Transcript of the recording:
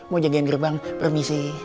mau jagain gerbang permisi